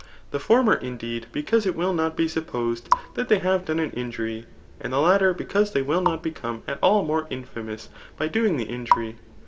Tfeie former, indeed,' because it will not be supposed fhtt they have done an injury; and the latter because they& will not become at all mote infiimous [by doing the injury.